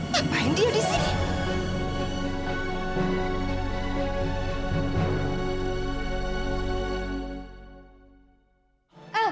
ngapain dia disini